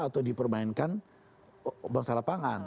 atau dipermainkan masalah pangan